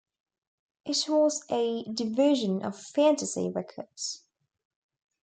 It was a division of Fantasy Records.